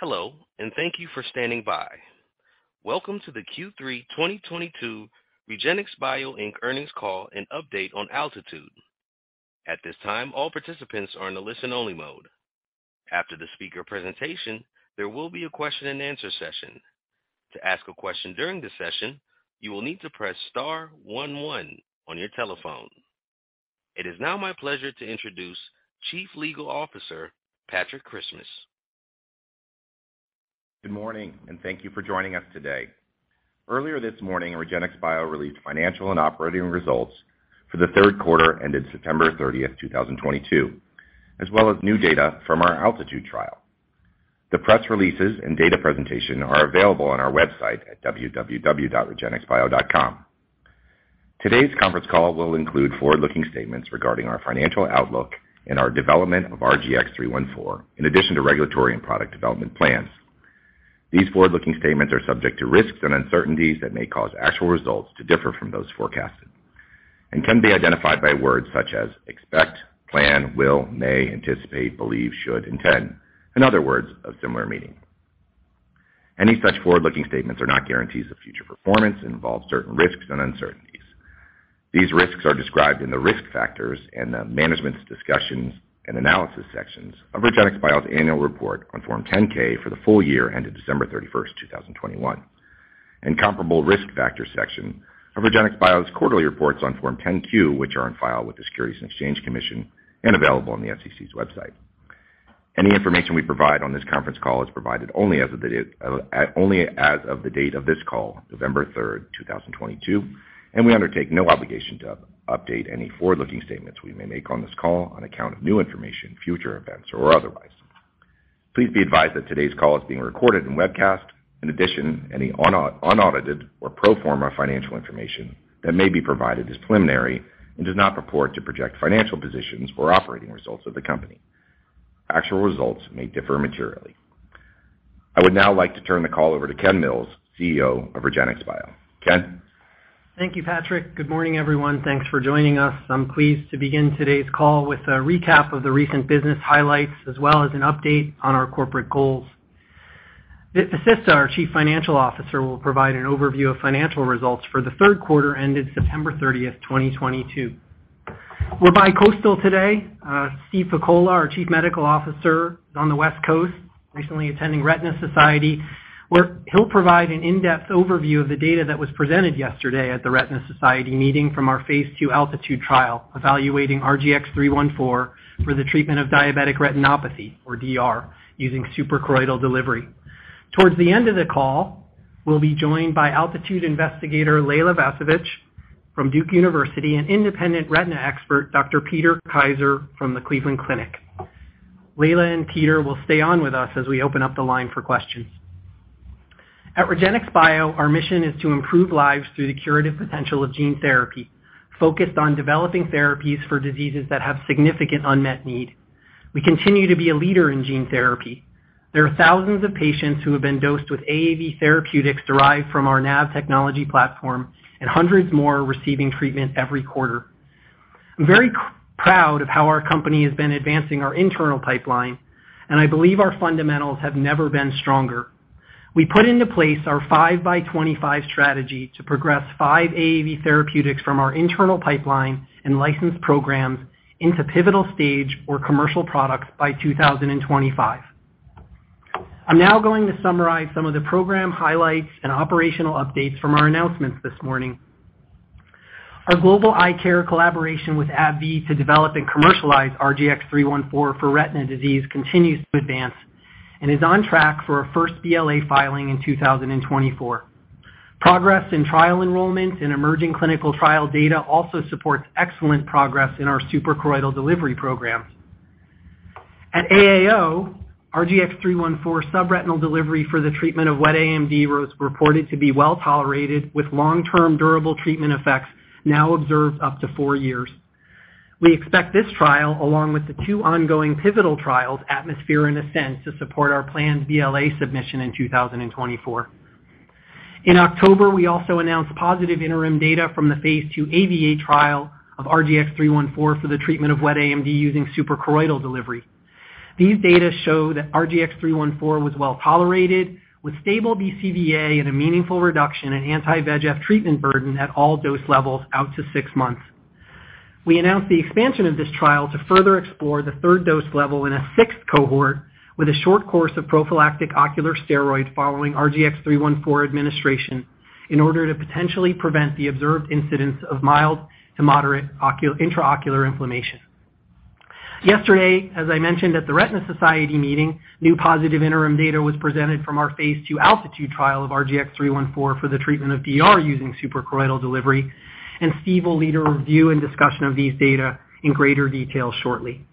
Hello, and thank you for standing by. Welcome to the Q3 2022 REGENXBIO Inc earnings call and update on ALTITUDE. At this time, all participants are in a listen-only mode. After the speaker presentation, there will be a question-and-answer session. To ask a question during the session, you will need to press star one one on your telephone. It is now my pleasure to introduce, Patrick Christmas. Good morning, and thank you for joining us today. Earlier this morning, REGENXBIO released financial and operating results for the third quarter ended September 30th, 2022, as well as new data from our ALTITUDE trial. The press releases and data presentation are available on our website at www.regenxbio.com. Today's conference call will include forward-looking statements regarding our financial outlook and our development of RGX-314, in addition to regulatory and product development plans. These forward-looking statements are subject to risks and uncertainties that may cause actual results to differ from those forecasted and can be identified by words such as expect, plan, will, may, anticipate, believe, should, intend, and other words of similar meaning. Any such forward-looking statements are not guarantees of future performance and involve certain risks and uncertainties. These risks are described in the Risk Factors and the Management's Discussion and Analysis sections of REGENXBIO's annual report on Form 10-K for the full year ended December 31st, 2021, and comparable Risk Factors section of REGENXBIO's quarterly reports on Form 10-Q, which are on file with the Securities and Exchange Commission and available on the SEC's website. Any information we provide on this conference call is provided only as of the date of this call, November 3rd, 2022, and we undertake no obligation to update any forward-looking statements we may make on this call on account of new information, future events, or otherwise. Please be advised that today's call is being recorded and webcast. In addition, any unaudited or pro forma financial information that may be provided is preliminary and does not purport to project financial positions or operating results of the company. Actual results may differ materially. I would now like to turn the call over to Ken Mills, CEO of REGENXBIO. Ken? Thank you, Patrick. Good morning, everyone. Thanks for joining us. I'm pleased to begin today's call with a recap of the recent business highlights as well as an update on our corporate goals. Vit Vasista, our Chief Financial Officer, will provide an overview of financial results for the third quarter ended September 30, 2022. We're bi-coastal today. Steve Pakola, our Chief Medical Officer, is on the West Coast, recently attending Retina Society, where he'll provide an in-depth overview of the data that was presented yesterday at the Retina Society meeting from our phase II ALTITUDE trial evaluating RGX-314 for the treatment of diabetic retinopathy or DR using suprachoroidal delivery. Towards the end of the call, we'll be joined by ALTITUDE investigator, Leila Voytovich from Duke University, and independent retina expert, Dr. Peter Kaiser from the Cleveland Clinic. Leila and Peter will stay on with us as we open up the line for questions. At REGENXBIO, our mission is to improve lives through the curative potential of gene therapy, focused on developing therapies for diseases that have significant unmet need. We continue to be a leader in gene therapy. There are thousands of patients who have been dosed with AAV therapeutics derived from our NAV Technology Platform, and hundreds more are receiving treatment every quarter. I'm very proud of how our company has been advancing our internal pipeline, and I believe our fundamentals have never been stronger. We put into place our 5x25 strategy to progress 5 AAV therapeutics from our internal pipeline and licensed programs into pivotal stage or commercial products by 2025. I'm now going to summarize some of the program highlights and operational updates from our announcements this morning. Our global eye care collaboration with AbbVie to develop and commercialize RGX-three one four for retina disease continues to advance and is on track for a first BLA filing in 2024. Progress in trial enrollment and emerging clinical trial data also supports excellent progress in our suprachoroidal delivery programs. At AAO, RGX-three one four subretinal delivery for the treatment of wet AMD was reported to be well-tolerated with long-term durable treatment effects now observed up to 4 years. We expect this trial, along with the two ongoing pivotal trials, ATMOSPHERE and ASCENT, to support our planned BLA submission in 2024. In October, we also announced positive interim data from the phase II AAVIATE trial of RGX-three one four for the treatment of wet AMD using suprachoroidal delivery. These data show that RGX-314 was well-tolerated with stable BCVA and a meaningful reduction in anti-VEGF treatment burden at all dose levels out to six months. We announced the expansion of this trial to further explore the third dose level in a sixth cohort with a short course of prophylactic ocular steroids following RGX-314 administration in order to potentially prevent the observed incidence of mild to moderate intraocular inflammation. Yesterday, as I mentioned at the Retina Society meeting, new positive interim data was presented from our phase II ALTITUDE trial of RGX-314 for the treatment of DR using suprachoroidal delivery, and Steve will lead a review and discussion of these data in greater detail shortly.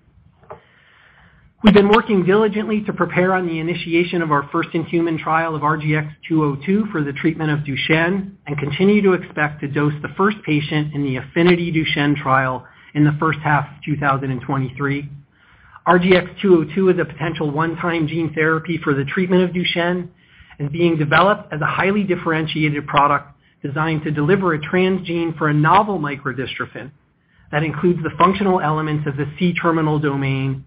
We've been working diligently to prepare on the initiation of our first-in-human trial of RGX-202 for the treatment of Duchenne and continue to expect to dose the first patient in the AFFINITY DUCHENNE trial in the first half of 2023. RGX-202 is a potential one-time gene therapy for the treatment of Duchenne and being developed as a highly differentiated product designed to deliver a transgene for a novel microdystrophin. That includes the functional elements of the C-terminal domain,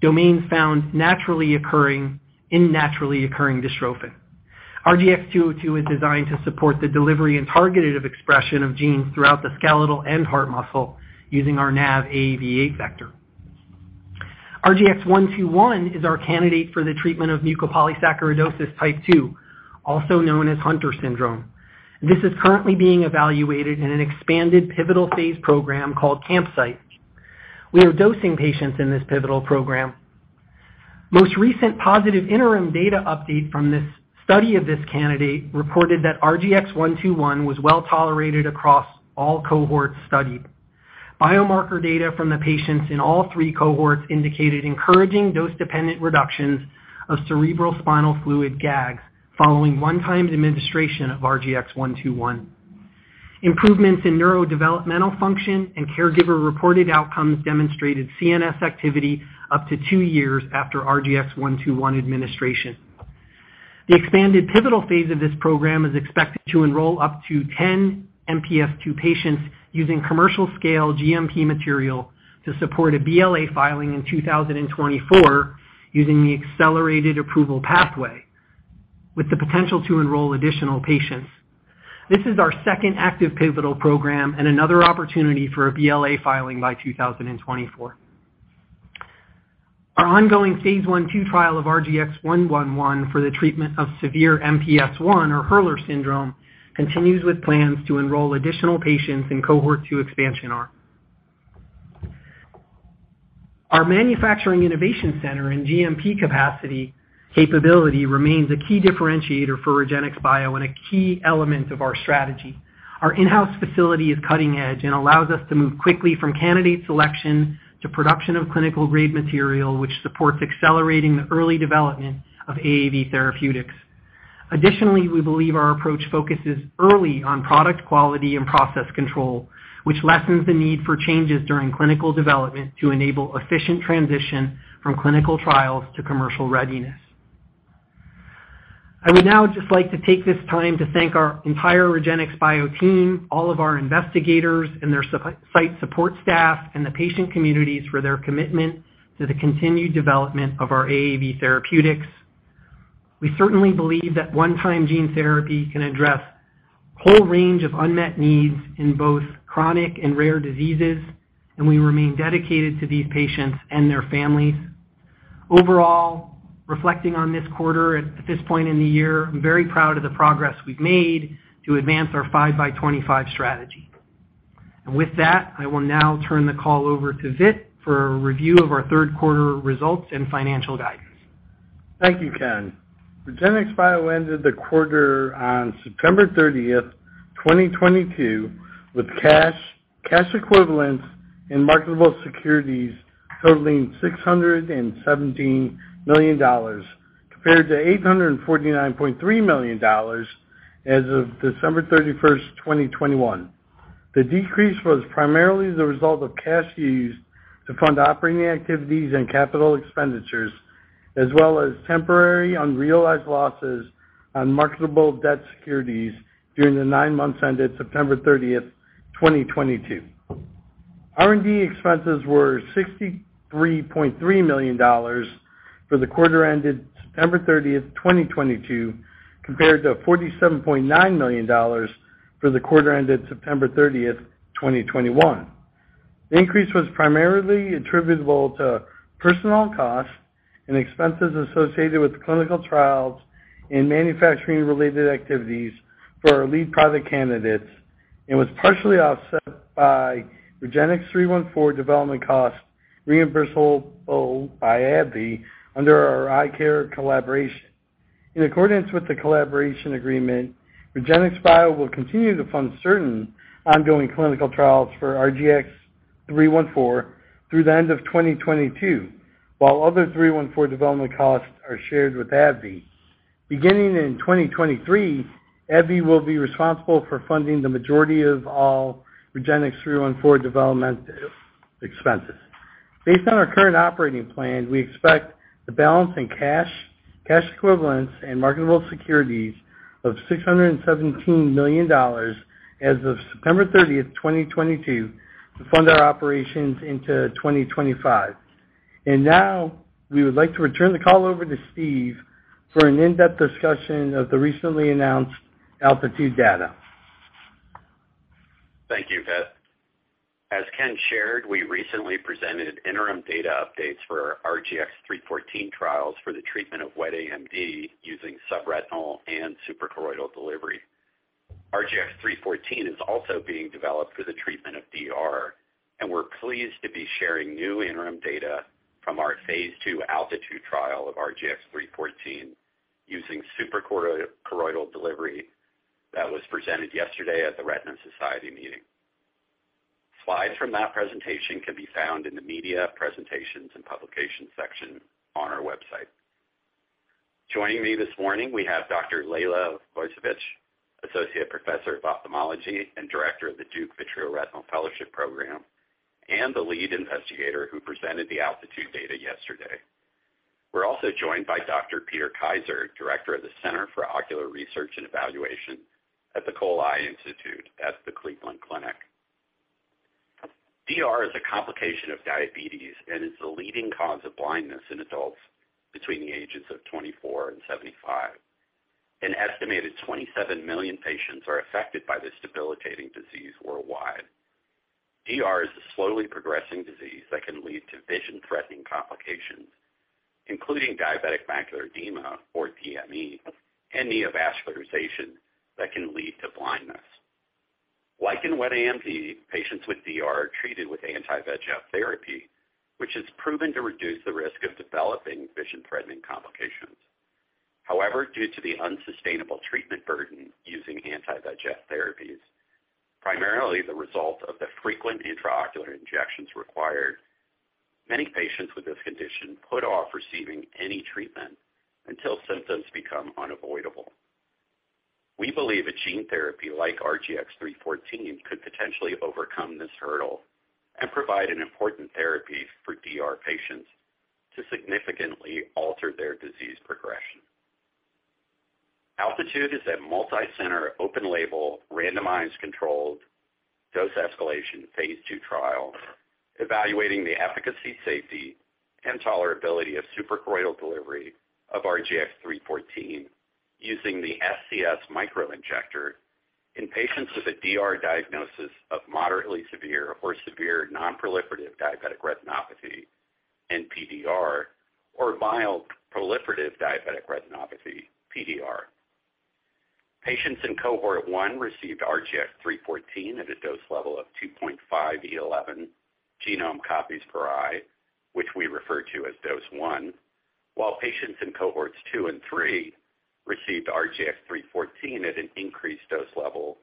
domains found naturally occurring in dystrophin. RGX-202 is designed to support the delivery and targeted of expression of genes throughout the skeletal and heart muscle using our NAV AAV8 vector. RGX-121 is our candidate for the treatment of mucopolysaccharidosis type II, also known as Hunter syndrome. This is currently being evaluated in an expanded pivotal phase program called CAMPSITE. We are dosing patients in this pivotal program. Most recent positive interim data update from this study of this candidate reported that RGX-121 was well tolerated across all cohorts studied. Biomarker data from the patients in all 3 cohorts indicated encouraging dose-dependent reductions of cerebrospinal fluid GAGs following one-time administration of RGX-121. Improvements in neurodevelopmental function and caregiver-reported outcomes demonstrated CNS activity up to 2 years after RGX-121 administration. The expanded pivotal phase of this program is expected to enroll up to 10 MPS II patients using commercial scale GMP material to support a BLA filing in 2024 using the accelerated approval pathway, with the potential to enroll additional patients. This is our second active pivotal program and another opportunity for a BLA filing by 2024. Our ongoing phase 1/2 trial of RGX-111 for the treatment of severe MPS I, or Hurler syndrome, continues with plans to enroll additional patients in cohort 2 expansion arm. Our manufacturing innovation center and GMP capacity capability remains a key differentiator for REGENXBIO and a key element of our strategy. Our in-house facility is cutting edge and allows us to move quickly from candidate selection to production of clinical grade material, which supports accelerating the early development of AAV therapeutics. Additionally, we believe our approach focuses early on product quality and process control, which lessens the need for changes during clinical development to enable efficient transition from clinical trials to commercial readiness. I would now just like to take this time to thank our entire REGENXBIO team, all of our investigators and their support staff, and the patient communities for their commitment to the continued development of our AAV therapeutics. We certainly believe that one-time gene therapy can address a whole range of unmet needs in both chronic and rare diseases, and we remain dedicated to these patients and their families. Overall, reflecting on this quarter at this point in the year, I'm very proud of the progress we've made to advance our 5x25 strategy. With that, I will now turn the call over to Vit for a review of our third quarter results and financial guidance. Thank you, Ken. REGENXBIO ended the quarter on September 30th, 2022, with cash equivalents and marketable securities totaling $617 million, compared to $849.3 million as of December 31st, 2021. The decrease was primarily the result of cash used to fund operating activities and capital expenditures, as well as temporary unrealized losses on marketable debt securities during the nine months ended September 30th, 2022. R&D expenses were $63.3 million for the quarter ended September 30th, 2022, compared to $47.9 million for the quarter ended September 30th, 2021. The increase was primarily attributable to personnel costs and expenses associated with clinical trials and manufacturing-related activities for our lead product candidates and was partially offset by RGX-314 development costs reimbursable by AbbVie under our eye care collaboration. In accordance with the collaboration agreement, REGENXBIO will continue to fund certain ongoing clinical trials for RGX-314 through the end of 2022, while other RGX-314 development costs are shared with AbbVie. Beginning in 2023, AbbVie will be responsible for funding the majority of all RGX-314 development expenses. Based on our current operating plan, we expect the balance in cash equivalents, and marketable securities of $617 million as of September 30th, 2022, to fund our operations into 2025. Now, we would like to return the call over to Steve for an in-depth discussion of the recently announced ALTITUDE data. Thank you, Vit. As Ken shared, we recently presented interim data updates for our RGX-314 trials for the treatment of wet AMD using subretinal and suprachoroidal delivery. RGX-314 is also being developed for the treatment of DR, and we're pleased to be sharing new interim data from our phase II ALTITUDE trial of RGX-314 using suprachoroidal delivery that was presented yesterday at the Retina Society meeting. Slides from that presentation can be found in the Media Presentations and Publications section on our website. Joining me this morning, we have Dr. Leila Voytovich, Associate Professor of Ophthalmology and Director of the Duke Vitreoretinal Fellowship program, and the lead investigator who presented the ALTITUDE data yesterday. We're also joined by Dr. Peter Kaiser, Director of the Center for Ocular Research and Evaluation at the Cole Eye Institute at the Cleveland Clinic. DR is a complication of diabetes and is the leading cause of blindness in adults between the ages of 24 and 75. An estimated 27 million patients are affected by this debilitating disease worldwide. DR is a slowly progressing disease that can lead to vision-threatening complications, including diabetic macular edema, or DME, and neovascularization that can lead to blindness. Like in wet AMD, patients with DR are treated with anti-VEGF therapy, which is proven to reduce the risk of developing vision-threatening complications. However, due to the unsustainable treatment burden using anti-VEGF therapies, primarily the result of the frequent intraocular injections required, many patients with this condition put off receiving any treatment until symptoms become unavoidable. We believe a gene therapy like RGX-314 could potentially overcome this hurdle and provide an important therapy for DR patients to significantly alter their disease progression. ALTITUDE is a multicenter, open-label, randomized, controlled dose escalation phase II trial evaluating the efficacy, safety, and tolerability of suprachoroidal delivery of RGX-314 using the SCS Microinjector in patients with a DR diagnosis of moderately severe or severe non-proliferative diabetic retinopathy, NPDR, or mild proliferative diabetic retinopathy, PDR. Patients in cohort one received RGX-314 at a dose level of 2.5E11 genome copies per eye, which we refer to as dose one, while patients in cohorts two and three received RGX-314 at an increased dose level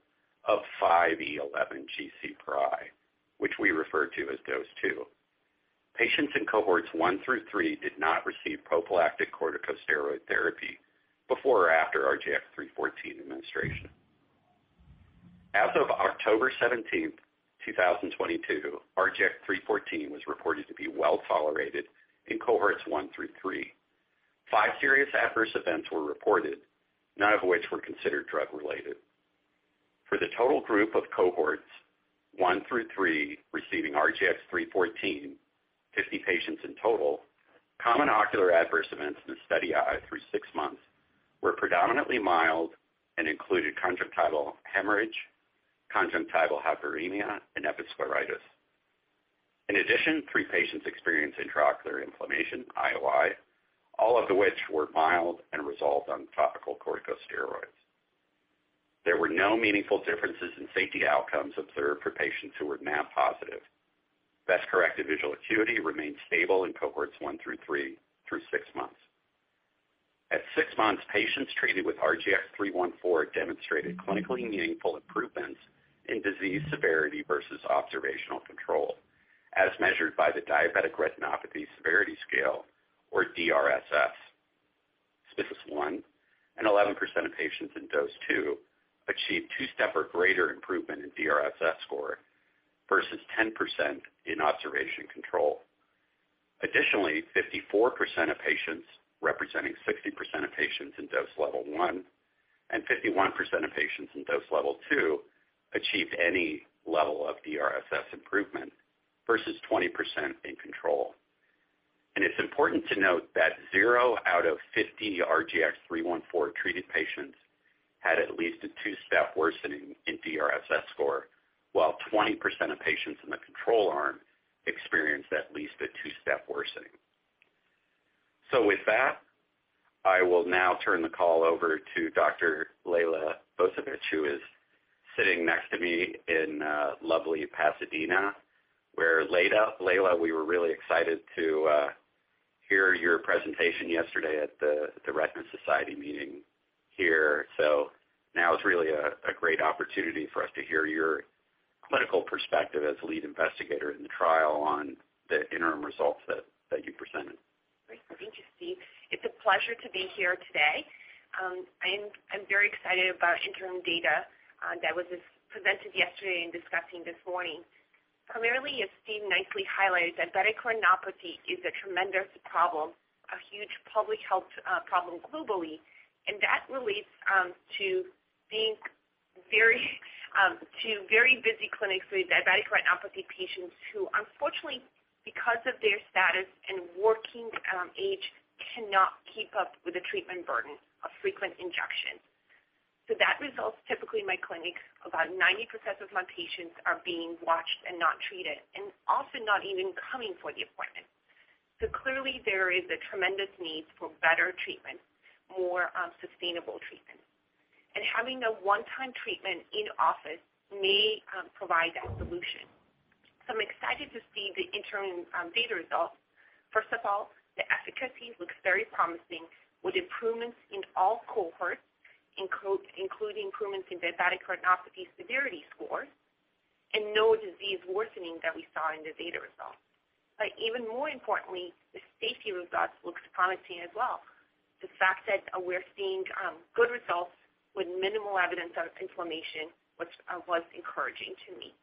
of 5E11 GC per eye, which we refer to as dose two. Patients in cohorts one through three did not receive prophylactic corticosteroid therapy before or after RGX-314 administration. As of October 17th, 2022 RGX-314 was reported to be well-tolerated in cohorts one through three. Five serious adverse events were reported, none of which were considered drug-related. For the total group of cohorts 1 through 3 receiving RGX-314, 50 patients in total, common ocular adverse events in the study eye through 6 months were predominantly mild and included conjunctival hemorrhage, conjunctival hyperemia, and episcleritis. In addition, 3 patients experienced intraocular inflammation, IOI, all of which were mild and resolved on topical corticosteroids. There were no meaningful differences in safety outcomes observed for patients who were MAP positive. Best-corrected visual acuity remained stable in cohorts 1 through 3 through 6 months. At 6 months, patients treated with RGX-314 demonstrated clinically meaningful improvements in disease severity versus observational control as measured by the Diabetic Retinopathy Severity Scale, or DRSS. 71% of patients in dose 2 achieved 2-step or greater improvement in DRSS score versus 10% in observational control. Additionally, 54% of patients, representing 60% of patients in dose level one, and 51% of patients in dose level two achieved any level of DRSS improvement versus 20% in control. It's important to note that 0 out of 50 RGX-314-treated patients had at least a two-step worsening in DRSS score, while 20% of patients in the control arm experienced at least a two-step worsening. With that, I will now turn the call over to Dr. Leila Voytovich, who is sitting next to me in lovely Pasadena, where Leila, we were really excited to hear your presentation yesterday at the Retina Society meeting here. Now is really a great opportunity for us to hear your clinical perspective as lead investigator in the trial on the interim results that you presented. Great. Thank you, Steve. It's a pleasure to be here today. I'm very excited about interim data that was presented yesterday and discussing this morning. Primarily, as Steve nicely highlighted, diabetic retinopathy is a tremendous problem, a huge public health problem globally. That relates to very busy clinics with diabetic retinopathy patients who unfortunately, because of their status and working age, cannot keep up with the treatment burden of frequent injections. That results typically in my clinic, about 90% of my patients are being watched and not treated, and often not even coming for the appointment. Clearly, there is a tremendous need for better treatment, more sustainable treatment. Having a one-time treatment in office may provide that solution. I'm excited to see the interim data results. First of all, the efficacy looks very promising with improvements in all cohorts, including improvements in diabetic retinopathy severity scores and no disease worsening that we saw in the data results. Even more importantly, the safety results looks promising as well. The fact that we're seeing good results with minimal evidence of inflammation was encouraging to me.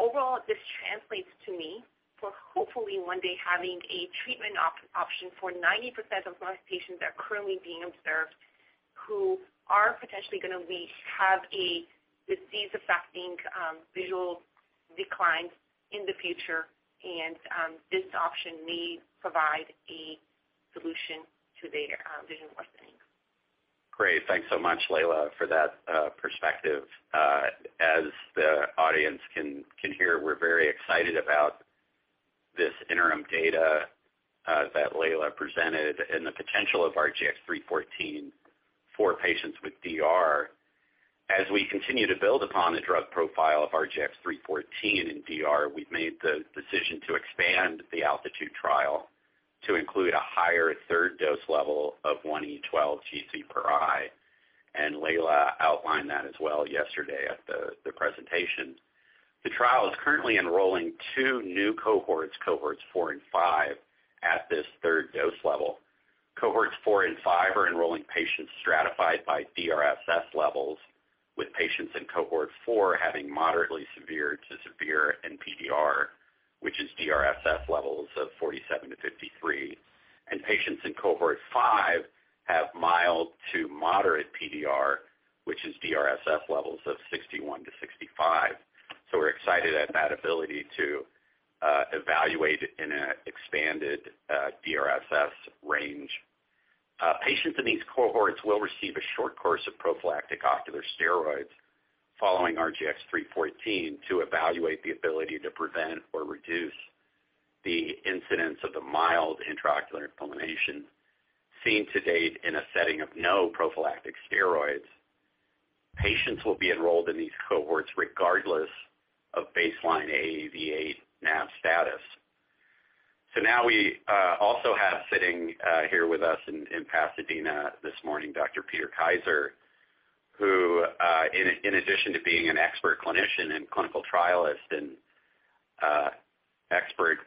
Overall, this translates to me for hopefully one day having a treatment option for 90% of most patients that are currently being observed who are potentially gonna have a disease affecting visual decline in the future. This option may provide a solution to their vision worsening. Great. Thanks so much, Leila, for that perspective. As the audience can hear, we're very excited about this interim data that Leila presented and the potential of RGX-314 for patients with DR. As we continue to build upon the drug profile of RGX-314 in DR, we've made the decision to expand the ALTITUDE trial to include a higher third dose level of 1e12 GC per eye. Leila outlined that as well yesterday at the presentation. The trial is currently enrolling two new cohorts, four and five, at this third dose level. Cohorts four and five are enrolling patients stratified by DRSS levels, with patients in cohort four having moderately severe to severe NPDR, which is DRSS levels of 47-53, and patients in cohort five have mild to moderate PDR, which is DRSS levels of 61-65. We're excited at that ability to evaluate in an expanded DRSS range. Patients in these cohorts will receive a short course of prophylactic ocular steroids following RGX-314 to evaluate the ability to prevent or reduce the incidence of the mild intraocular inflammation seen to date in a setting of no prophylactic steroids. Patients will be enrolled in these cohorts regardless of baseline AAV8 NAV status. Now we also have sitting here with us in Pasadena this morning, Dr. Peter Kaiser, who, in addition to being an expert clinician and clinical trialist and expert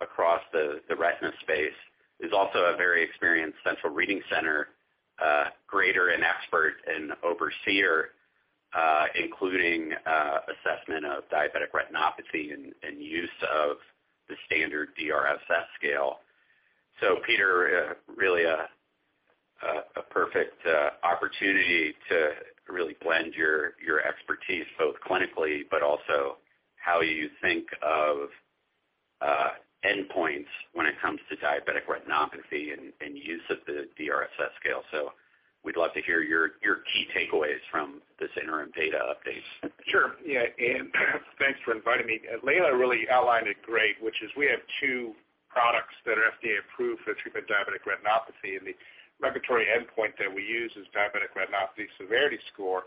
across the retina space, is also a very experienced central reading center grader and expert and overseer, including assessment of diabetic retinopathy and use of the standard DRSS scale. Peter, really a perfect opportunity to really blend your expertise both clinically but also how you think of endpoints when it comes to diabetic retinopathy and use of the DRSS scale. We'd love to hear your key takeaways from this interim data updates. Sure. Yeah. Thanks for inviting me. Leila really outlined it great, which is we have two products that are FDA approved for treatment diabetic retinopathy. The regulatory endpoint that we use is diabetic retinopathy severity scale,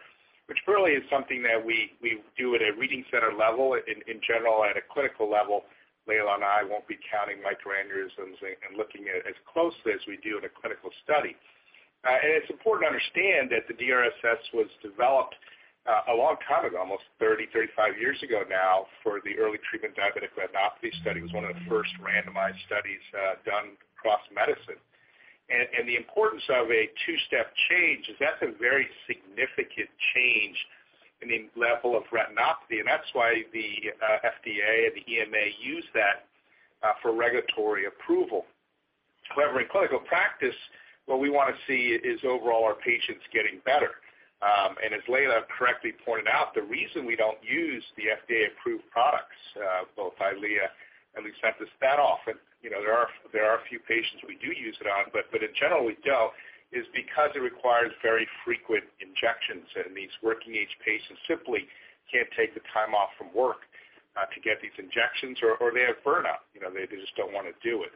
which really is something that we do at a reading center level. In general, at a clinical level, Leila and I won't be counting microaneurysms and looking at as closely as we do in a clinical study. It's important to understand that the DRSS was developed a long time ago, almost 35 years ago now, for the Early Treatment Diabetic Retinopathy Study. It was one of the first randomized studies done across medicine. The importance of a two-step change is that's a very significant change in the level of retinopathy. That's why the FDA and the EMA use that for regulatory approval. However, in clinical practice, what we wanna see is overall our patients getting better. As Leila correctly pointed out, the reason we don't use the FDA-approved products both Eylea and Lucentis that often, you know, there are a few patients we do use it on, but in general we don't, is because it requires very frequent injections and these working age patients simply can't take the time off from work to get these injections or they have burnout. You know, they just don't wanna do it.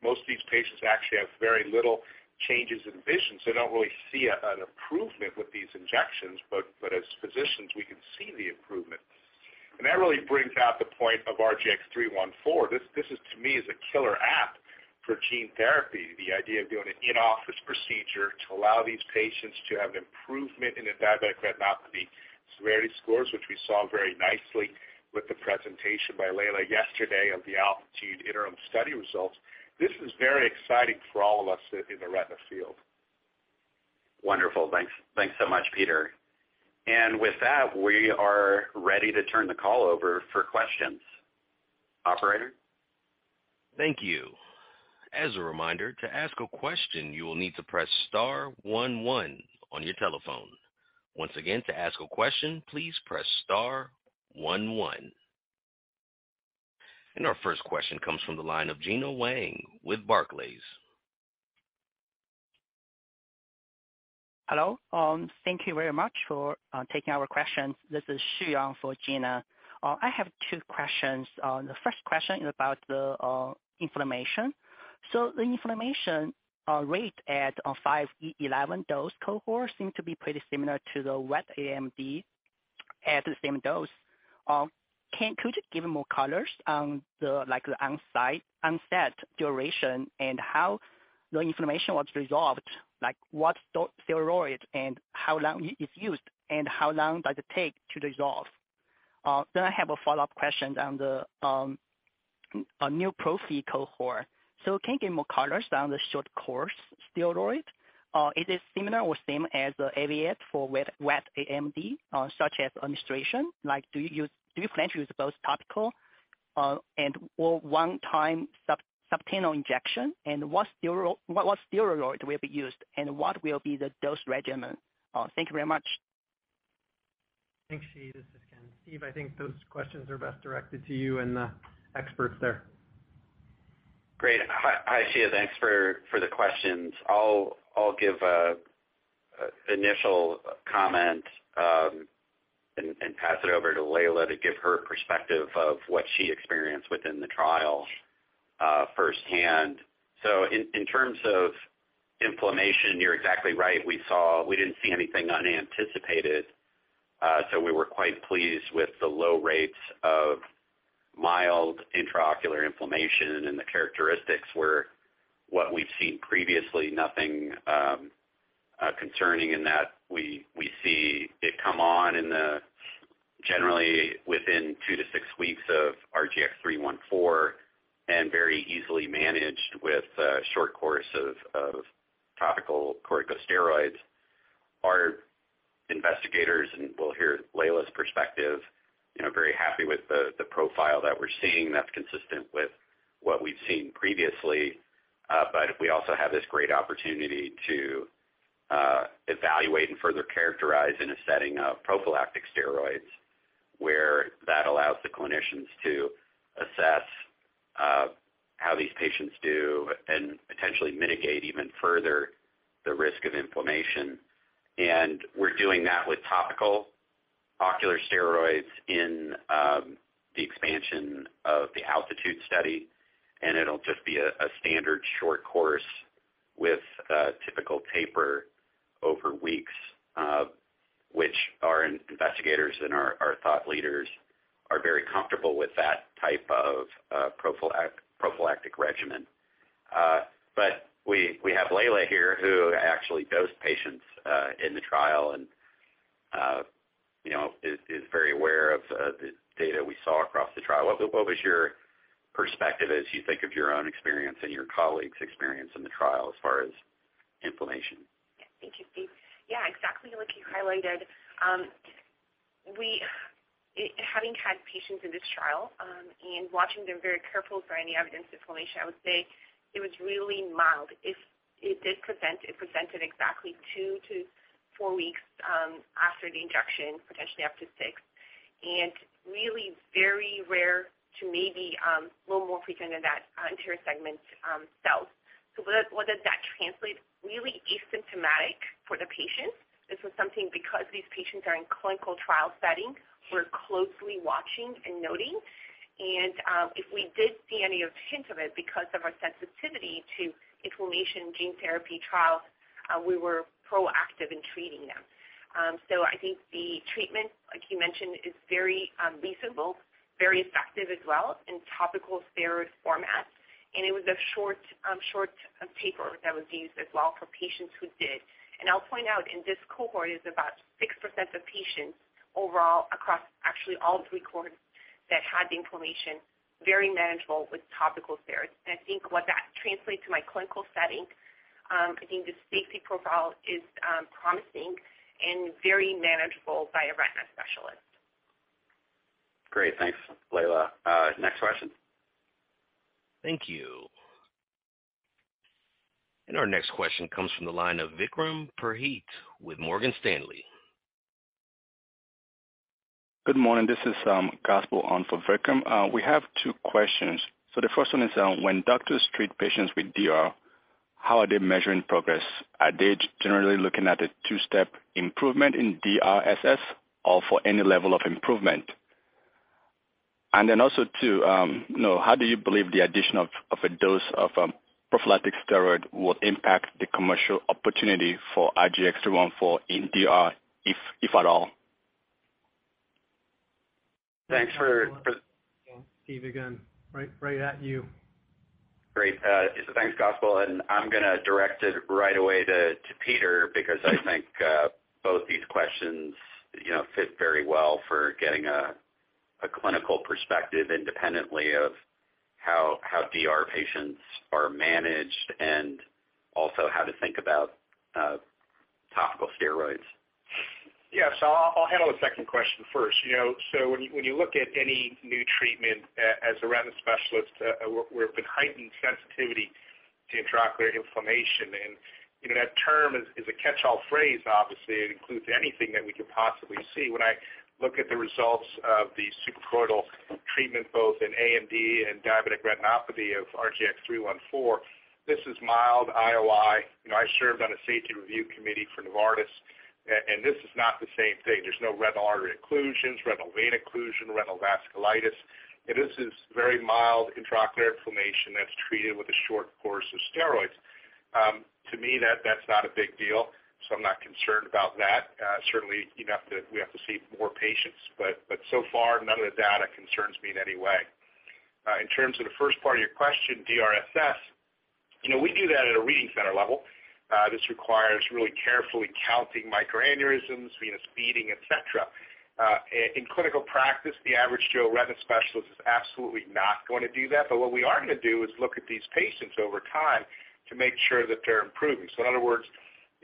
Most of these patients actually have very little changes in vision, so they don't really see an improvement with these injections. But as physicians, we can see the improvement. That really brings out the point of RGX-314. This is to me is a killer app for gene therapy. The idea of doing an in-office procedure to allow these patients to have improvement in the diabetic retinopathy severity scores, which we saw very nicely with the presentation by Leila yesterday of the ALTITUDE interim study results. This is very exciting for all of us in the retina field. Wonderful. Thanks. Thanks so much, Peter. With that, we are ready to turn the call over for questions. Operator? Thank you. As a reminder, to ask a question, you will need to press star one one on your telephone. Once again, to ask a question, please press star one one. Our first question comes from the line of Gena Wang with Barclays. Hello. Thank you very much for taking our questions. This is Xu Yang for Gina. I have two questions. The first question is about the inflammation. The inflammation rate at 5e11 dose cohort seem to be pretty similar to the wet AMD at the same dose. Could you give more colors on the like the onset duration and how the inflammation was resolved? Like what steroid and how long it's used and how long does it take to resolve? I have a follow-up question on the new prophy cohort. Can you give more colors on the short course steroid? Is it similar or same as the AAVIATE for wet AMD such as administration? Like, do you plan to use both topical and or one time subtenon injection? And what steroid will be used, and what will be the dose regimen? Thank you very much. Thanks, Xu Yang. This is Ken. Steve, I think those questions are best directed to you and the experts there. Great. Hi, Xu Yang. Thanks for the questions. I'll give an initial comment, and pass it over to Leila Raji to give her perspective of what she experienced within the trial, firsthand. In terms of inflammation, you're exactly right. We didn't see anything unanticipated, so we were quite pleased with the low rates of mild intraocular inflammation, and the characteristics were what we've seen previously. Nothing concerning in that we see it come on generally within two to six weeks of RGX-314, and very easily managed with a short course of topical corticosteroids. Our investigators, and we'll hear Leila Raji's perspective, you know, very happy with the profile that we're seeing that's consistent with what we've seen previously. We also have this great opportunity to evaluate and further characterize in a setting of prophylactic steroids, where that allows the clinicians to assess how these patients do and potentially mitigate even further the risk of inflammation. We're doing that with topical ocular steroids in the expansion of the ALTITUDE study, and it'll just be a standard short course with a typical taper over weeks, which our investigators and our thought leaders are very comfortable with that type of prophylactic regimen. We have Leila here who actually dosed patients in the trial and you know is very aware of the data we saw across the trial. What was your perspective as you think of your own experience and your colleagues' experience in the trial as far as inflammation? Yeah. Thank you, Steve. Yeah, exactly like you highlighted. Having had patients in this trial, and watching them very careful for any evidence of inflammation, I would say it was really mild. If it did present, it presented exactly 2-4 weeks after the injection, potentially up to 6. Really very rare to maybe a little more frequent in that anterior segment cell. So what does that translate? Really asymptomatic for the patient. This was something because these patients are in clinical trial setting, we're closely watching and noting. If we did see any hint of it because of our sensitivity to inflammation gene therapy trials, we were proactive in treating them. So I think the treatment, like you mentioned, is very reasonable, very effective as well in topical steroid format. It was a short taper that was used as well for patients who did. I'll point out in this cohort is about 6% of patients overall across actually all three cohorts that had the inflammation, very manageable with topical steroids. I think what that translates to my clinical setting, I think the safety profile is promising and very manageable by a retina specialist. Great. Thanks, Leila. Next question. Thank you. Our next question comes from the line of Vikram Parikh with Morgan Stanley. Good morning. This is Gospel on for Vikram. We have 2 questions. The first one is, when doctors treat patients with DR, how are they measuring progress? Are they generally looking at a two-step improvement in DRSS or for any level of improvement? Then also, you know, how do you believe the addition of a dose of prophylactic steroid will impact the commercial opportunity for RGX-314 in DR, if at all? Thanks for. Steve again. Right at you. Great. Thanks, Gospel. I'm gonna direct it right away to Peter because I think both these questions, you know, fit very well for getting a clinical perspective independently of how DR patients are managed and also how to think about topical steroids. Yeah. I'll handle the second question first. You know, when you look at any new treatment as a retina specialist, we're of a heightened sensitivity to intraocular inflammation. You know, that term is a catch-all phrase, obviously. It includes anything that we could possibly see. When I look at the results of the suprachoroidal treatment both in AMD and diabetic retinopathy of RGX-314, this is mild IOI. You know, I served on a safety review committee for Novartis, and this is not the same thing. There's no retinal artery occlusions, retinal vein occlusion, retinal vasculitis. This is very mild intraocular inflammation that's treated with a short course of steroids. To me that's not a big deal, so I'm not concerned about that. Certainly, we have to see more patients, but so far none of the data concerns me in any way. In terms of the first part of your question, DRSS. You know, we do that at a reading center level. This requires really carefully counting microaneurysms, venous beading, et cetera. In clinical practice, the average Joe retina specialist is absolutely not going to do that. What we are going to do is look at these patients over time to make sure that they're improving. In other words,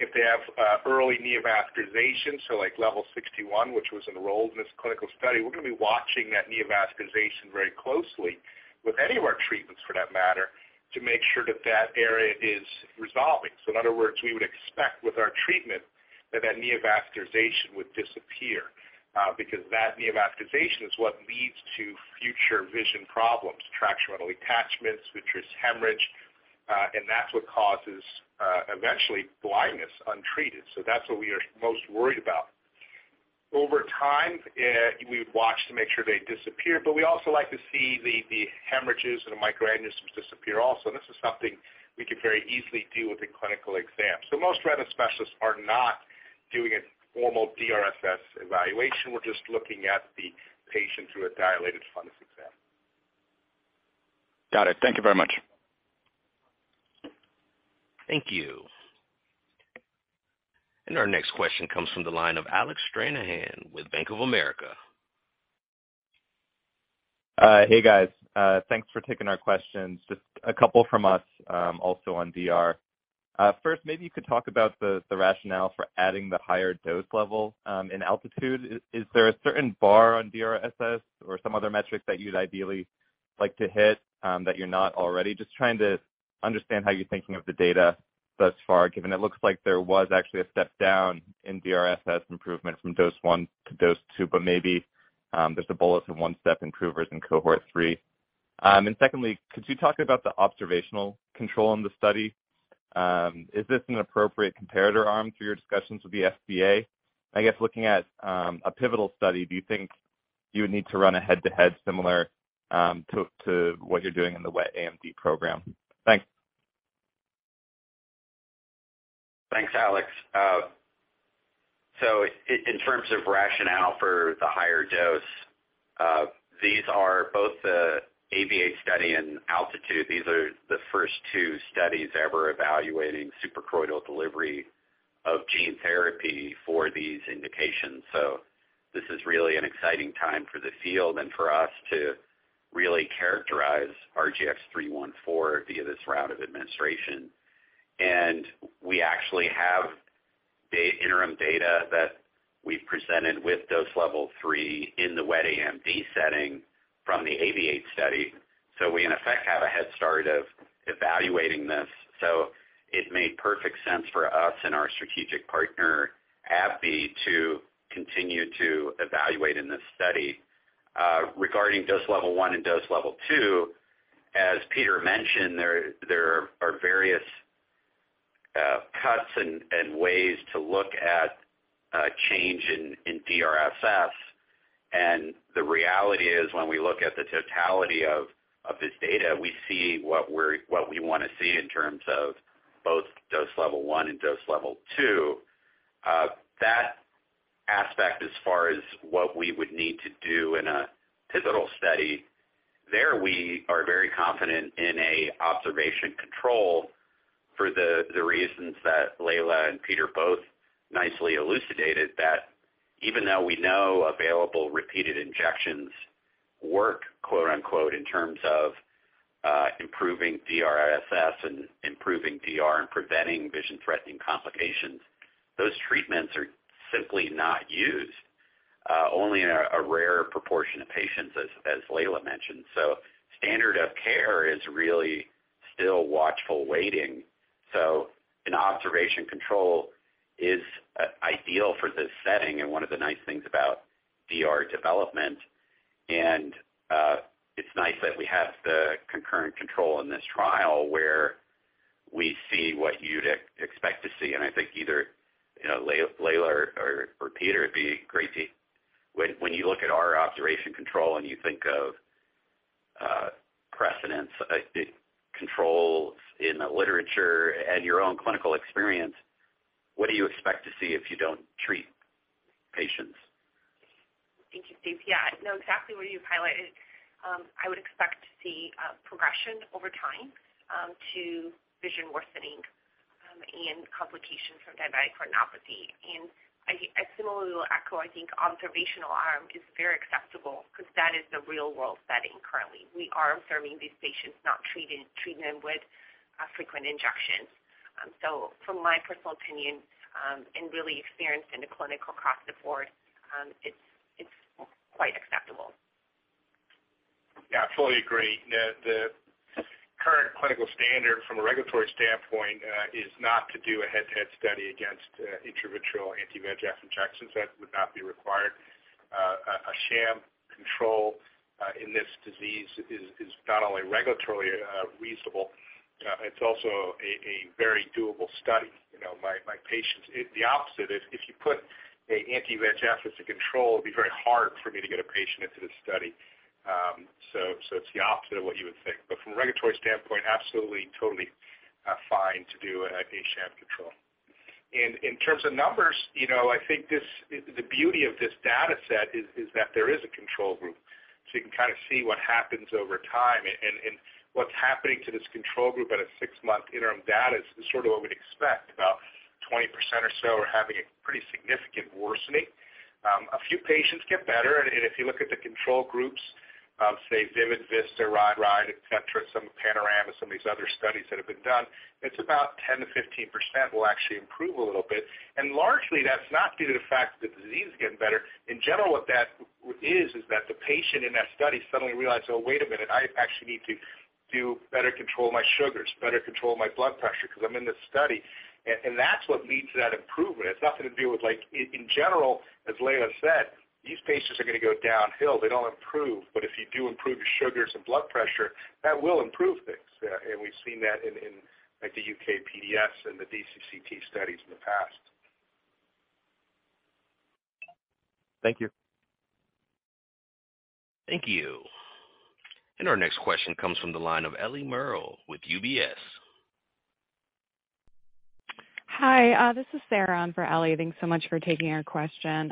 if they have early neovascularization, so like level 61, which was enrolled in this clinical study, we're going to be watching that neovascularization very closely with any of our treatments for that matter, to make sure that that area is resolving. In other words, we would expect with our treatment that that neovascularization would disappear, because that neovascularization is what leads to future vision problems, tractional detachments, vitreous hemorrhage, and that's what causes eventually blindness untreated. That's what we are most worried about. Over time, we would watch to make sure they disappear, but we also like to see the hemorrhages and the microaneurysms disappear also. This is something we can very easily do with a clinical exam. Most retina specialists are not doing a formal DRSS evaluation. We're just looking at the patient through a dilated fundus exam. Got it. Thank you very much. Thank you. Our next question comes from the line of Alec Stranahan with Bank of America. Hey, guys. Thanks for taking our questions. Just a couple from us, also on DR. First, maybe you could talk about the rationale for adding the higher dose level in ALTITUDE. Is there a certain bar on DRSS or some other metrics that you'd ideally like to hit that you're not already? Just trying to understand how you're thinking of the data thus far, given it looks like there was actually a step down in DRSS improvement from dose 1 to dose 2, but maybe there's a bullet of 1-step improvers in cohort 3. Secondly, could you talk about the observational control in the study? Is this an appropriate comparator arm through your discussions with the FDA? I guess looking at a pivotal study, do you think you would need to run a head-to-head similar to what you're doing in the wet AMD program? Thanks. Thanks, Alex. In terms of rationale for the higher dose, these are both the AAVIATE study and ALTITUDE. These are the first two studies ever evaluating suprachoroidal delivery of gene therapy for these indications. This is really an exciting time for the field and for us to really characterize RGX-314 via this route of administration. We actually have the interim data that we presented with dose level three in the wet AMD setting from the AAVIATE study. We in effect have a head start of evaluating this. It made perfect sense for us and our strategic partner, AbbVie, to continue to evaluate in this study. Regarding dose level one and dose level two, as Peter mentioned, there are various cuts and ways to look at change in DRSS. The reality is, when we look at the totality of this data, we see what we want to see in terms of both dose level one and dose level two. That aspect as far as what we would need to do in a pivotal study, there we are very confident in an observation control for the reasons that Leila and Peter both nicely elucidated that even though we know available repeated injections work, quote-unquote, in terms of improving DRSS and improving DR and preventing vision-threatening complications, those treatments are simply not used only in a rare proportion of patients as Leila mentioned. Standard of care is really still watchful waiting. An observation control is ideal for this setting and one of the nice things about DR development. It's nice that we have the concurrent control in this trial where we see what you'd expect to see. I think either, you know, Leila or Peter, it'd be great when you look at our observation control and you think of precedence controls in the literature and your own clinical experience, what do you expect to see if you don't treat patients? Thank you, Steve. Yeah, no, exactly what you highlighted. I would expect to see progression over time to vision worsening and complications from diabetic retinopathy. I similarly will echo, I think observational arm is very acceptable because that is the real-world setting currently. We are observing these patients not treating them with frequent injections. From my personal opinion and really experience in the clinical across the board, it's quite acceptable. Yeah, I fully agree. The current clinical standard from a regulatory standpoint is not to do a head-to-head study against intravitreal anti-VEGF injections. That would not be required. A sham control in this disease is not only regulatory reasonable, it's also a very doable study. You know, my patients, the opposite is if you put an anti-VEGF as a control, it'd be very hard for me to get a patient into the study. So it's the opposite of what you would think. From a regulatory standpoint, absolutely, totally, fine to do a sham control. In terms of numbers, you know, I think this, the beauty of this data set is that there is a control group. So you can kind of see what happens over time and what's happening to this control group at a six-month interim data is sort of what we'd expect. About 20% or so are having a pretty significant worsening. A few patients get better. If you look at the control groups, say VIM and VISTA, RIDE, et cetera, some of PANORAMA, some of these other studies that have been done, it's about 10%-15% will actually improve a little bit. Largely, that's not due to the fact that the disease is getting better. In general, what that is that the patient in that study suddenly realized, oh, wait a minute, I actually need to do better control my sugars, better control my blood pressure because I'm in this study. And that's what leads to that improvement. It's nothing to do with like. In general, as Lena said, these patients are gonna go downhill. They don't improve. If you do improve your sugars and blood pressure, that will improve things. We've seen that in like the UKPDS and the DCCT studies in the past. Thank you. Thank you. Our next question comes from the line of Ellie Merle with UBS. Hi, this is Sarah in for Ellie. Thanks so much for taking our question.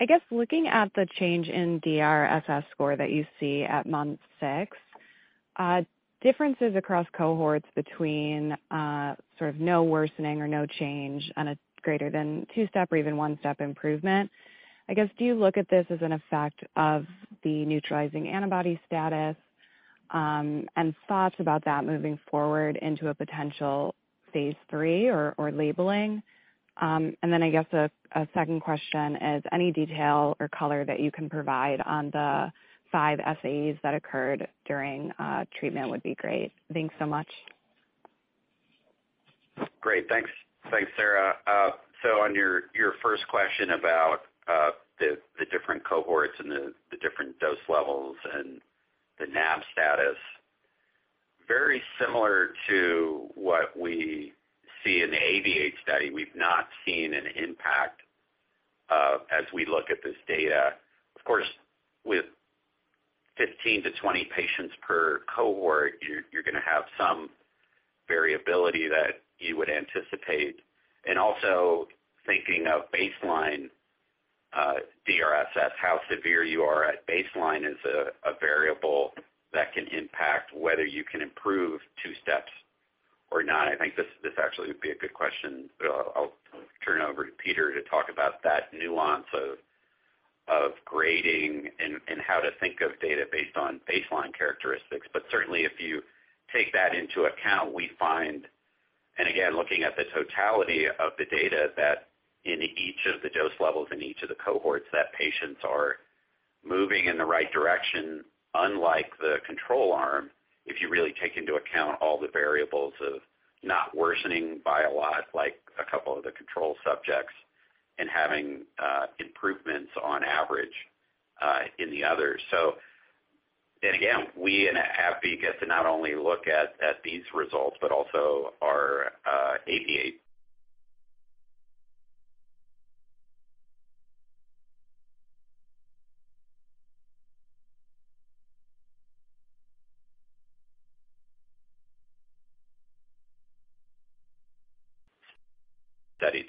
I guess looking at the change in DRSS score that you see at month 6, differences across cohorts between sort of no worsening or no change on a greater than 2-step or even 1-step improvement. I guess, do you look at this as an effect of the neutralizing antibody status, and thoughts about that moving forward into a potential phase III or labeling? And then I guess a second question is any detail or color that you can provide on the 5 SAEs that occurred during treatment would be great. Thanks so much. Great. Thanks, Sarah. On your first question about the different cohorts and the different dose levels and the NAB status. Very similar to what we see in the AAVIATE study, we've not seen an impact as we look at this data. Of course, with 15-20 patients per cohort, you're gonna have some variability that you would anticipate. Also thinking of baseline DRSS, how severe you are at baseline is a variable that can impact whether you can improve two steps or not. I think this actually would be a good question. I'll turn it over to Peter to talk about that nuance of grading and how to think of data based on baseline characteristics. Certainly if you take that into account, we find, and again, looking at the totality of the data that in each of the dose levels, in each of the cohorts, that patients are moving in the right direction, unlike the control arm, if you really take into account all the variables of not worsening by a lot like a couple of the control subjects and having improvements on average in the others. Again, we have to not only look at these results, but also our AAV study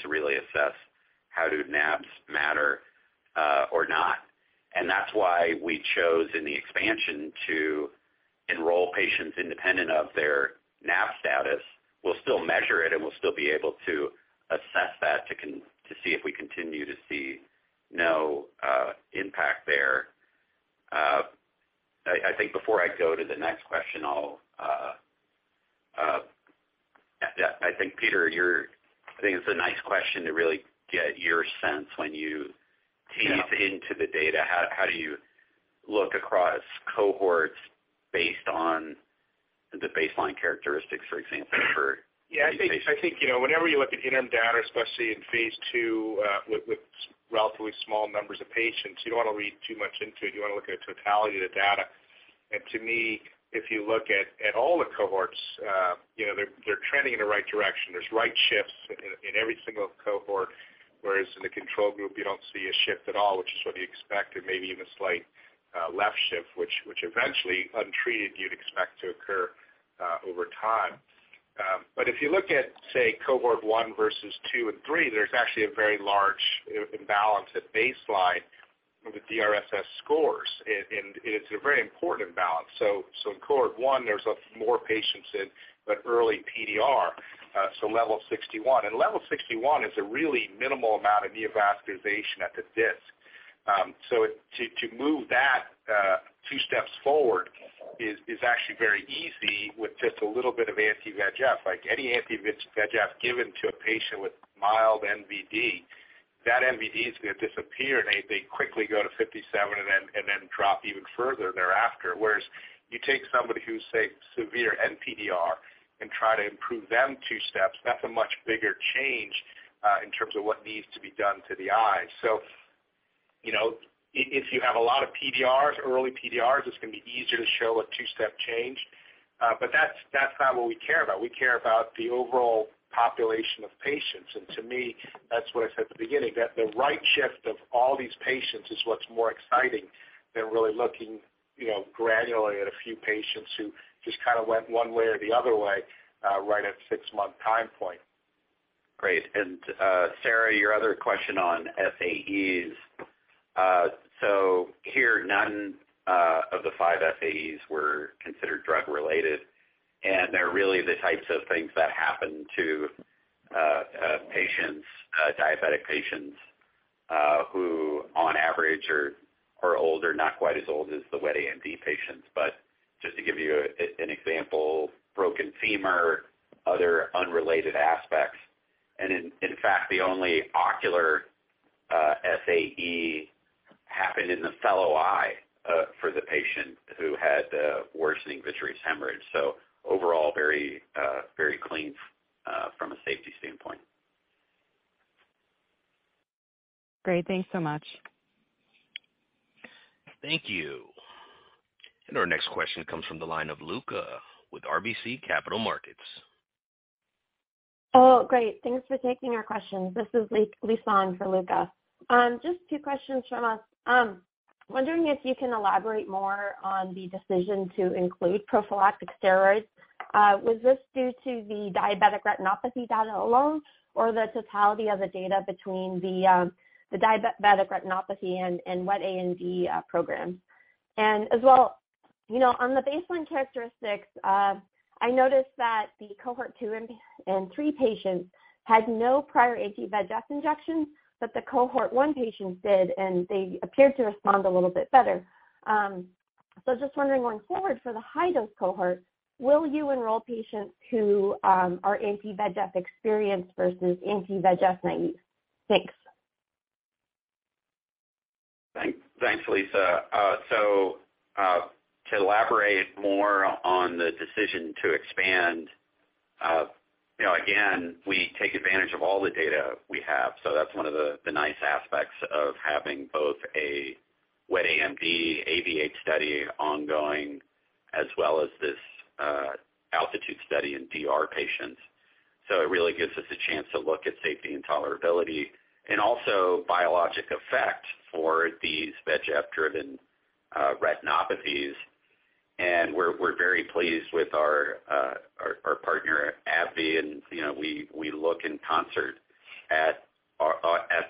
to really assess how do NABs matter, or not. That's why we chose in the expansion to enroll patients independent of their NAB status. We'll still measure it, and we'll still be able to assess that to see if we continue to see no impact there. I think before I go to the next question. Yeah, I think Peter, I think it's a nice question to really get your sense when you tease into the data, how do you look across cohorts based on the baseline characteristics, for example, for these patients? Yeah, I think you know, whenever you look at interim data, especially in phase II, with relatively small numbers of patients, you don't want to read too much into it. You want to look at the totality of the data. To me, if you look at all the cohorts, you know, they're trending in the right direction. There's right shifts in every single cohort, whereas in the control group, you don't see a shift at all, which is what you expect, and maybe even a slight left shift, which eventually untreated you'd expect to occur over time. If you look at, say, cohort 1 versus 2 and 3, there's actually a very large imbalance at baseline with the DRSS scores. It's a very important imbalance. In cohort one, there's more patients in an early PDR, so level 61. Level 61 is a really minimal amount of neovascularization at the disc. To move that 2 steps forward is actually very easy with just a little bit of anti-VEGF. Like any anti-VEGF given to a patient with mild NVD, that NVD is gonna disappear, and they quickly go to 57 and then drop even further thereafter. Whereas you take somebody who's, say, severe NPDR and try to improve them 2 steps, that's a much bigger change in terms of what needs to be done to the eye. You know, if you have a lot of PDRs, early PDRs, it's going to be easier to show a 2-step change. That's not what we care about. We care about the overall population of patients. To me, that's what I said at the beginning, that the right shift of all these patients is what's more exciting than really looking, you know, granularly at a few patients who just kinda went one way or the other way, right at six-month time point. Great. Sarah, your other question on SAEs. None of the 5 SAEs were considered drug-related, and they're really the types of things that happen to patients, diabetic patients, who on average are older, not quite as old as the wet AMD patients. Just to give you an example, broken femur, other unrelated aspects. In fact, the only ocular SAE happened in the fellow eye for the patient who had a worsening vitreous hemorrhage. Overall very clean from a safety standpoint. Great. Thanks so much. Thank you. Our next question comes from the line of Luca with RBC Capital Markets. Oh, great. Thanks for taking our questions. This is Lisa for Luca. Just two questions from us. Wondering if you can elaborate more on the decision to include prophylactic steroids. Was this due to the diabetic retinopathy data alone or the totality of the data between the diabetic retinopathy and wet AMD program? You know, on the baseline characteristics, I noticed that the cohort two and three patients had no prior anti-VEGF injections, but the cohort one patients did, and they appeared to respond a little bit better. So just wondering going forward for the high-dose cohort, will you enroll patients who are anti-VEGF experienced versus anti-VEGF naive? Thanks. Thanks, Lisa. To elaborate more on the decision to expand. You know, again, we take advantage of all the data we have, so that's one of the nice aspects of having both a wet AMD AAV8 study ongoing as well as this ALTITUDE study in DR patients. It really gives us a chance to look at safety and tolerability and also biologic effect for these VEGF-driven retinopathies. We're very pleased with our partner at AbbVie. You know, we look in concert at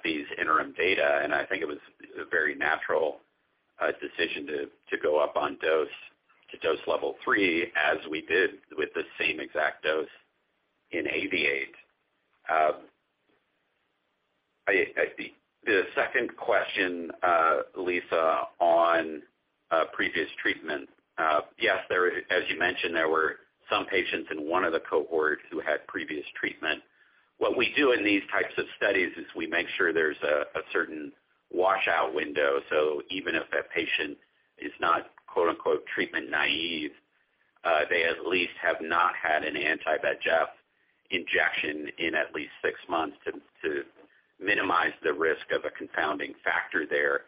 these interim data, and I think it was a very natural decision to go up on dose to dose level 3, as we did with the same exact dose in AAV8. The second question, Lisa, on previous treatment. Yes, as you mentioned, there were some patients in one of the cohorts who had previous treatment. What we do in these types of studies is we make sure there's a certain washout window. Even if that patient is not, quote-unquote, treatment naive, they at least have not had an anti-VEGF injection in at least six months to minimize the risk of a confounding factor there.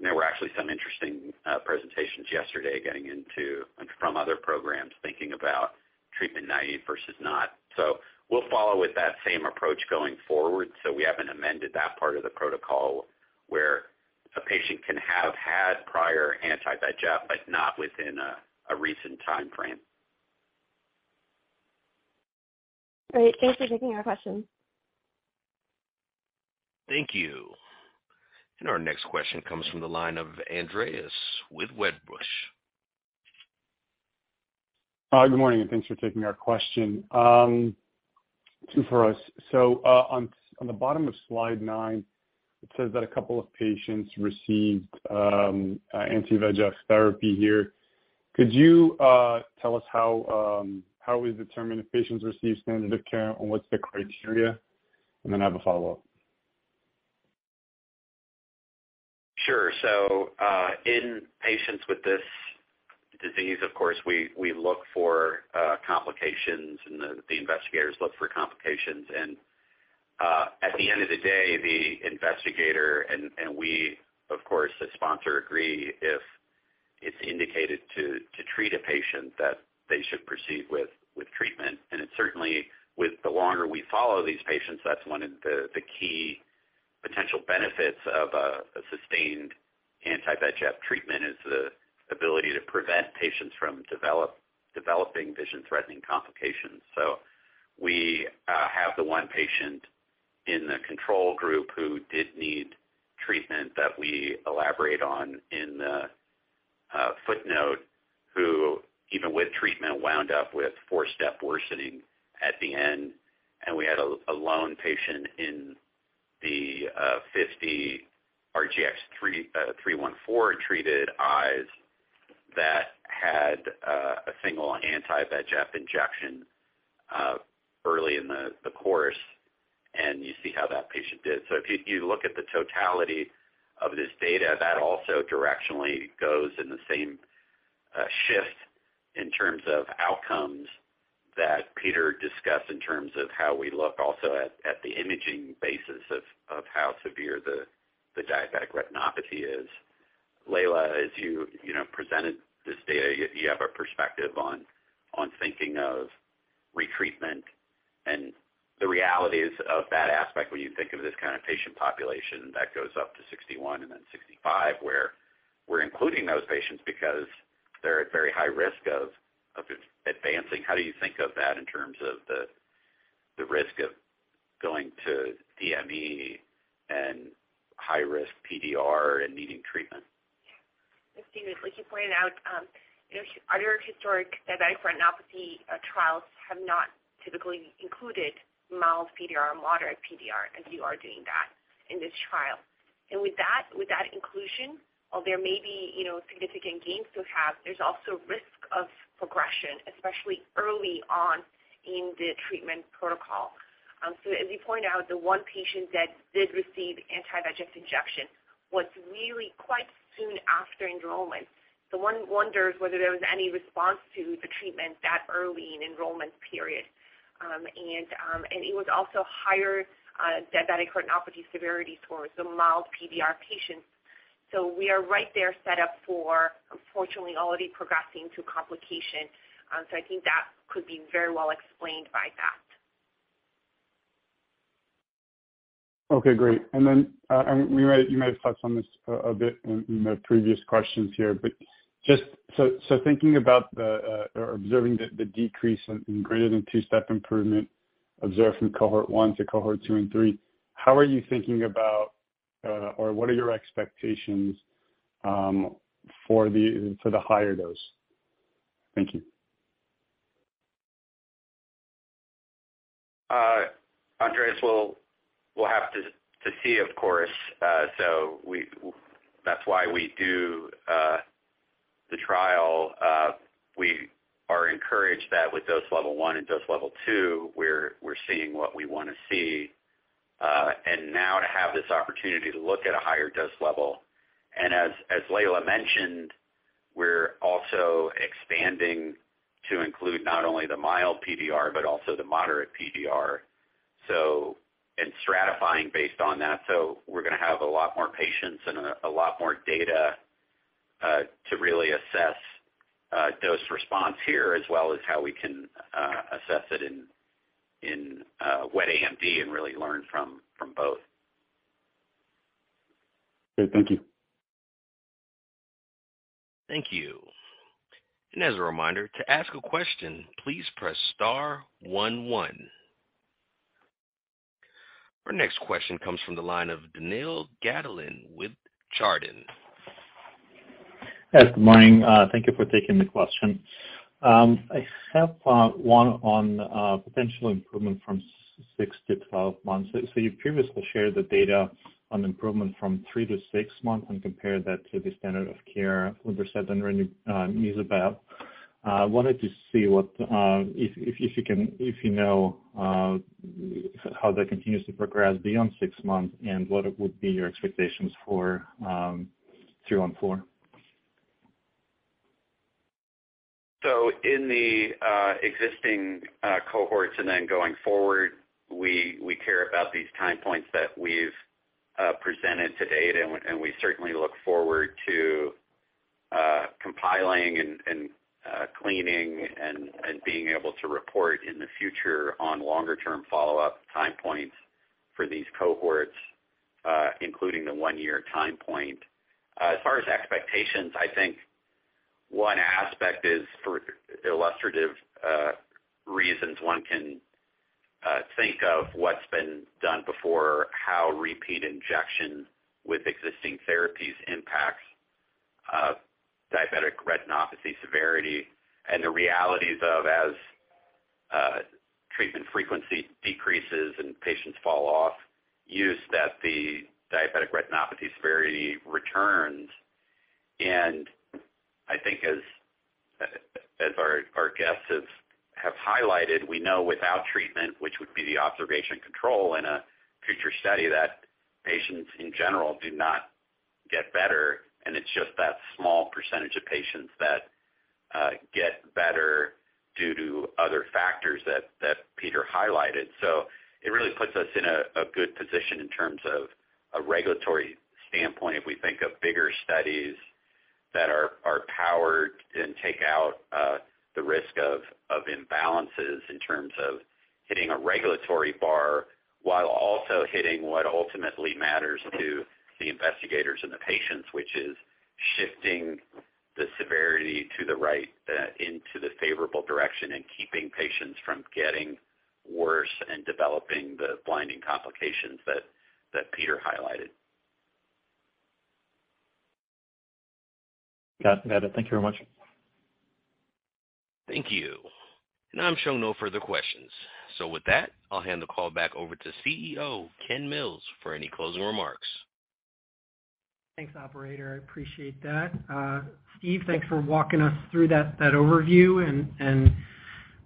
There were actually some interesting presentations yesterday getting into from other programs thinking about treatment naive versus not. We'll follow with that same approach going forward. We haven't amended that part of the protocol where a patient can have had prior anti-VEGF, but not within a recent timeframe. Great. Thanks for taking our question. Thank you. Our next question comes from the line of Andreas with Wedbush. Good morning, and thanks for taking our question. 2 for us. On the bottom of slide 9, it says that a couple of patients received anti-VEGF therapy here. Could you tell us how we determine if patients receive standard of care and what's the criteria? I have a follow-up. Sure. In patients with this disease, of course, we look for complications and the investigators look for complications. At the end of the day, the investigator and we, of course, the sponsor agree if it's indicated to treat a patient that they should proceed with treatment. It certainly with the longer we follow these patients, that's one of the key potential benefits of a sustained anti-VEGF treatment is the ability to prevent patients from developing vision-threatening complications. We have the one patient in the control group who did need treatment that we elaborate on in the footnote, who even with treatment, wound up with four-step worsening at the end. We had a lone patient in the 50 RGX-314 treated eyes that had a single anti-VEGF injection early in the course, and you see how that patient did. If you look at the totality of this data, that also directionally goes in the same shift in terms of outcomes that Peter discussed in terms of how we look also at the imaging basis of how severe the diabetic retinopathy is. Leila, as you know, presented this data, you have a perspective on thinking of retreatment and the realities of that aspect when you think of this kind of patient population that goes up to 61 and then 65, where we're including those patients because they're at very high risk of advancing. How do you think of that in terms of the risk of going to DME and high-risk PDR and needing treatment? Yeah. Steve, as you pointed out, you know, other historic diabetic retinopathy trials have not typically included mild PDR or moderate PDR as you are doing that in this trial. With that inclusion, while there may be, you know, significant gains to have, there's also risk of progression, especially early on in the treatment protocol. As you point out, the one patient that did receive anti-VEGF injection was really quite soon after enrollment. One wonders whether there was any response to the treatment that early in enrollment period. It was also higher diabetic retinopathy severity towards the mild PDR patients. We are right there set up for unfortunately already progressing to complication. I think that could be very well explained by that. Okay, great. You might have touched on this a bit in the previous questions here. Just so thinking about or observing the decrease in greater than two-step improvement observed from cohort 1 to cohort 2 and 3, how are you thinking about or what are your expectations for the higher dose? Thank you. Andreas, we'll have to see, of course. That's why we do the trial. We are encouraged that with dose level 1 and dose level 2 we're seeing what we wanna see. Now to have this opportunity to look at a higher dose level. As Leila mentioned, we're also expanding to include not only the mild PDR, but also the moderate PDR. We're stratifying based on that. We're gonna have a lot more patients and a lot more data to really assess dose response here, as well as how we can assess it in wet AMD and really learn from both. Okay, thank you. Thank you. As a reminder, to ask a question, please press star one one. Our next question comes from the line of Daniil Gataulin with Chardan. Yes, good morning. Thank you for taking the question. I have one on potential improvement from 6 to 12 months. You previously shared the data on improvement from 3 to 6 months and compared that to the standard of care, Lucentis and Ozurdex. Wanted to see what if you can, you know, how that continues to progress beyond 6 months, and what would be your expectations for 2 and 4. In the existing cohorts and then going forward, we care about these time points that we've presented to date. We certainly look forward to compiling and cleaning and being able to report in the future on longer term follow-up time points for these cohorts, including the one-year time point. As far as expectations, I think one aspect is for illustrative reasons, one can think of what's been done before, how repeat injections with existing therapies impacts diabetic retinopathy severity. The realities of as treatment frequency decreases and patients fall off use, that the diabetic retinopathy severity returns. I think as our guests have highlighted, we know without treatment, which would be the observation control in a future study, that patients in general do not get better, and it's just that small percentage of patients that get better due to other factors that Peter highlighted. It really puts us in a good position in terms of a regulatory standpoint if we think of bigger studies that are powered and take out the risk of imbalances in terms of hitting a regulatory bar, while also hitting what ultimately matters to the investigators and the patients. Which is shifting the severity to the right into the favorable direction, and keeping patients from getting worse and developing the blinding complications that Peter highlighted. Got it. Thank you very much. Thank you. I'm showing no further questions. With that, I'll hand the call back over to CEO Ken Mills, for any closing remarks. Thanks, operator. I appreciate that. Steve, thanks for walking us through that overview.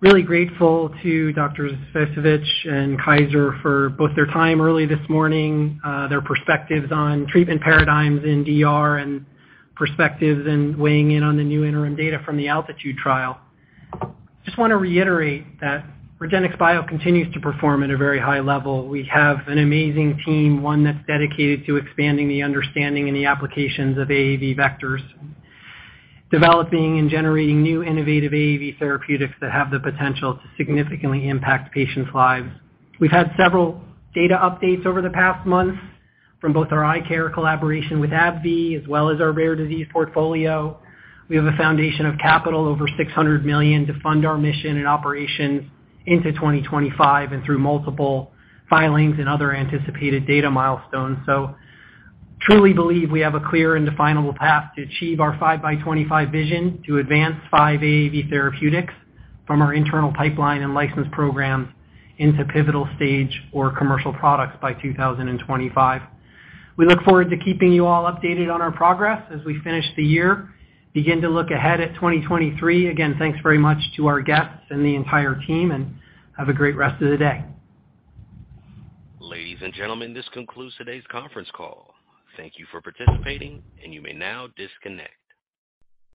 Really grateful to Drs Voytovichand Kaiser for both their time early this morning, their perspectives on treatment paradigms in DR and perspectives and weighing in on the new interim data from the ALTITUDE trial. Just wanna reiterate that REGENXBIO continues to perform at a very high level. We have an amazing team, one that's dedicated to expandin We have a foundation of capital over $600 million to fund our mission and operations into 2025 and through multiple filings and other anticipated data milestones. Truly believe we have a clear and definable path to achieve our 5x'25 vision to advance five AAV therapeutics from our internal pipeline and licensed programs into pivotal stage or commercial products by 2025. We look forward to keeping you all updated on our progress as we finish the year, begin to look ahead at 2023. Again, thanks very much to our guests and the entire team, and have a great rest of the day. Ladies and gentlemen, this concludes today's conference call. Thank you for participating, and you may now disconnect.